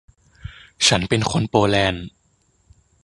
ฉันเป็นคนโปแลนด์